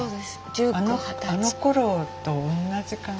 あのころとおんなじ感じ。